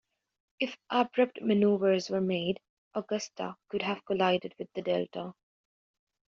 If abrupt maneuvers were made, "Augusta" could have collided with the Delta.